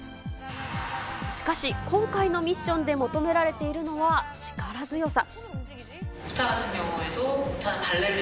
しかし、今回のミッションで求められているのは、力強さ。